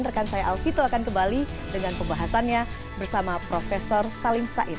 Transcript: rekan saya alkitul akan kembali dengan pembahasannya bersama profesor salim sa'id